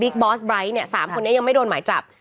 บิ๊กบอสไบร์ทเนี่ยสามคนนี้ยังไม่โดนหมายจับ